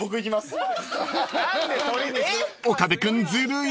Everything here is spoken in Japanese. ［岡部君ずるい］